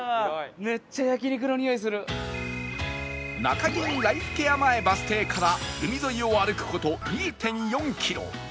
中銀ライフケア前バス停から海沿いを歩く事 ２．４ キロ